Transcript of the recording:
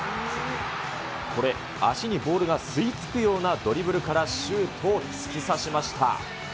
これ、足にボールが吸いつくようなドリブルからシュートを突き刺しました。